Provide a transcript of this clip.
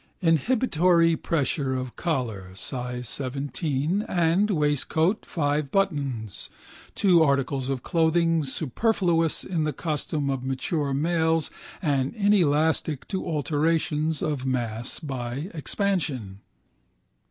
Inhibitory pressure of collar (size 17) and waistcoat (5 buttons), two articles of clothing superfluous in the costume of mature males and inelastic to alterations of mass by expansion.